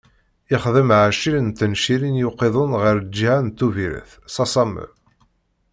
Ixdem ɛecrin n tencirin i uqiḍun ɣer lǧiha n Tuburet, s asammer.